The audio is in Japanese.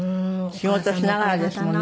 仕事しながらですもんね